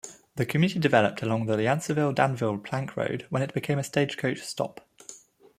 The community developed along the Yanceyville-Danville plank road when it became a stagecoach stop.